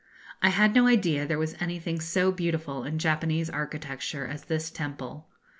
I had no idea there was anything so beautiful in Japanese architecture as this temple.